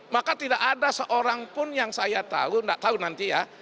maka tidak ada seorang pun yang saya tahu tidak tahu nanti ya